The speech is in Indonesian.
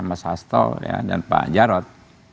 mas hasto dan pak jarod